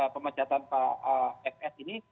pemenjatan pak fs ini